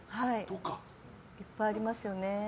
いっぱいありますよね。